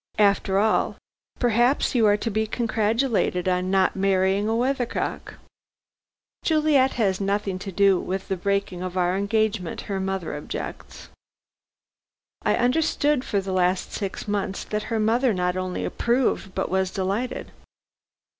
After all, perhaps you are to be congratulated on not marrying a weathercock." "Juliet has nothing to do with the breaking of our engagement. Her mother objects." "I understood for the last six months that her mother not only approved, but was delighted."